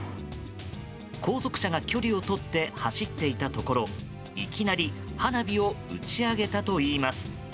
後続車が距離をとって走っていたところいきなり花火を打ち上げたといいます。